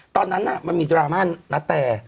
ตอนนั้นมันมีดราม่าณแต่